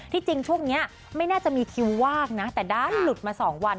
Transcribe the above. จริงช่วงนี้ไม่น่าจะมีคิวว่างนะแต่ด้านหลุดมา๒วัน